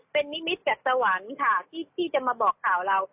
เป็นนิมิตกับสวรรค์ค่ะที่จะมาบอกข่าวเรา